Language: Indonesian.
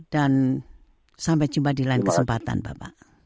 dan sampai jumpa di lain kesempatan bapak